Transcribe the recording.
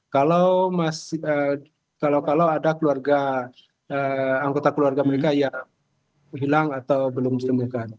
kalau kalau ada keluarga anggota keluarga mereka ya hilang atau belum ditemukan